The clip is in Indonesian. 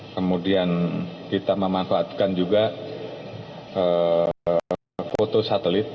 kemudian kita memanfaatkan juga foto satelit